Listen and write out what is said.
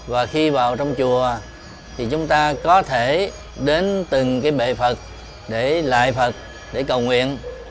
và khi vào trong chùa thì chúng ta có thể đến từng cái bệ phật để lại phật để cầu nguyện